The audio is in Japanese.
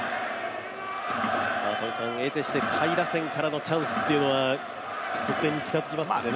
えてして下位打線からのチャンスっていうのは得点に近づきますからね。